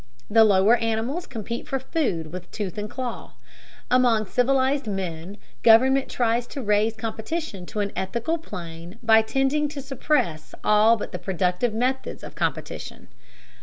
The lower animals compete for food with tooth and claw; among civilized men government tries to raise competition to an ethical plane by tending to suppress all but the productive methods of competition.